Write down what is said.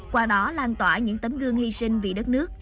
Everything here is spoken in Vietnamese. qua đó lan tỏa những tấm gương hy sinh vì đất nước